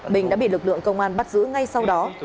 bình đã bị lực lượng công an bắt giữ ngay sau đó